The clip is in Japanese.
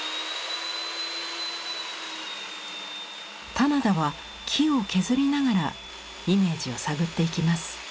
棚田は木を削りながらイメージを探っていきます。